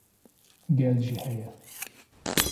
gel jî heye